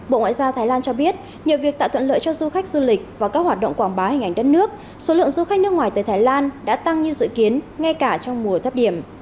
bộ ngoại giao thái lan cho biết nhờ việc tạo thuận lợi cho du khách du lịch và các hoạt động quảng bá hình ảnh đất nước số lượng du khách nước ngoài tới thái lan đã tăng như dự kiến ngay cả trong mùa thấp điểm